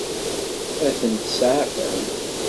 Ad tent-seɛfen?